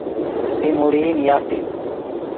پیموڑئی نیاستئی